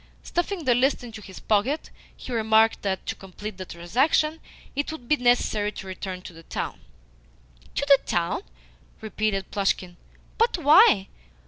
Stuffing the list into his pocket, he remarked that, to complete the transaction, it would be necessary to return to the town. "To the town?" repeated Plushkin. "But why?